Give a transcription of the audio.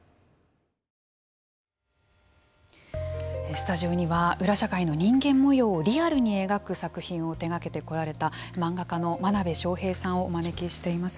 スタジオには裏社会の人間模様をリアルに描く作品を手がけてこられた漫画家の真鍋昌平さんをお招きしています。